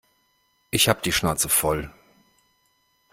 Ich habe die Schnauze voll.